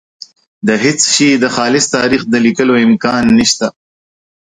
د هېڅ شي د خالص تاریخ د لیکلو امکان نشته.